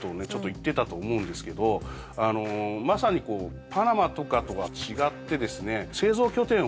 言ってたと思うんですけどまさにパナマとかとは違ってですね